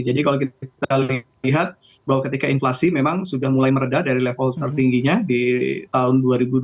jadi kalau kita lihat bahwa ketika inflasi memang sudah mulai meredah dari level tertingginya di tahun dua ribu dua dua ribu tiga